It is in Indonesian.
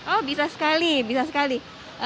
oh bisa sekali